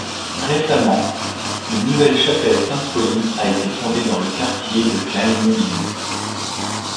Récemment, une nouvelle chapelle Sainte Pauline a été fondée dans le quartier de Kleinnubing.